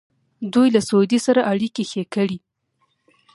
دوی له سعودي سره اړیکې ښې کړې.